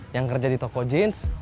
yang kerja di toko jeans